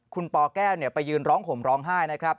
คุณปแก้วไปยืนร้องห่มร้องไห้นะครับ